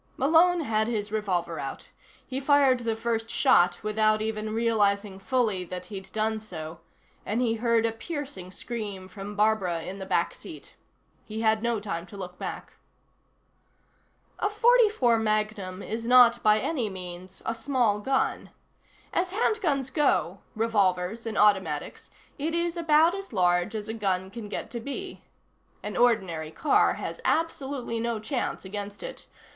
Malone had his revolver out. He fired the first shot without even realizing fully that he'd done so, and he heard a piercing scream from Barbara in the back seat. He had no time to look back. A .44 Magnum is not, by any means, a small gun. As handguns go revolvers and automatics it is about as large as a gun can get to be. An ordinary car has absolutely no chance against it.